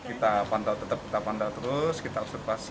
kita pantau tetap kita pantau terus kita observasi